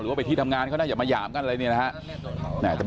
หรือธีดำงานเขาน่าจะย่ามกันอะไรแบบนี้